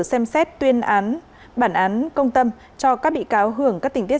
xem xét tuyên án bản án công tâm cho các bị cáo hưởng các tình tiết